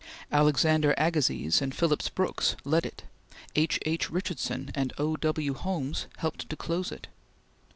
Alexander Agassiz and Phillips Brooks led it; H. H. Richardson and O. W. Holmes helped to close it.